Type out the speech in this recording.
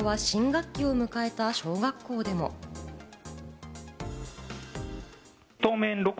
さらに影響は、新学期を迎えた小学校でも。